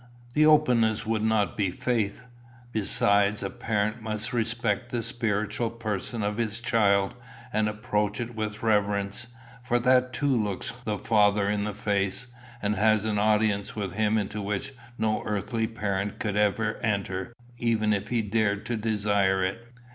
The openness would not be faith. Besides, a parent must respect the spiritual person of his child, and approach it with reverence, for that too looks the Father in the face, and has an audience with him into which no earthly parent can enter even if he dared to desire it.